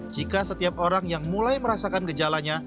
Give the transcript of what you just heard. jika setiap orang yang mulai merasakan gejalanya